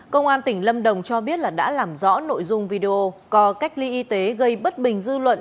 công an tỉnh lâm đồng cho biết là đã làm rõ nội dung video cò cách ly y tế gây bất bình dư luận